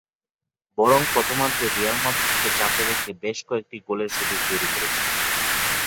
বরং প্রথমার্ধে রিয়াল মাদ্রিদকে চাপে রেখে বেশ কয়েকটি গোলের সুযোগ তৈরি করেছিল।